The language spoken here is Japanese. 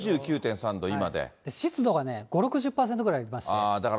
湿度がね、５、６０％ぐらいありまして。